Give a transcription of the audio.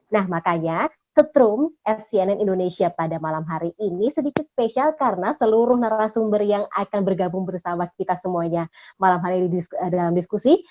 nah makanya ketrum fcnn indonesia pada malam hari ini sedikit spesial karena seluruh narasumber yang akan bergabung bersama kita semuanya malam hari ini dalam diskusi